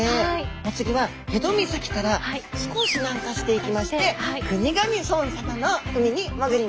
お次は辺戸岬から少し南下していきまして国頭村様の海に潜ります。